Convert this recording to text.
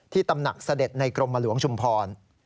ตำหนักเสด็จในกรมหลวงชุมพร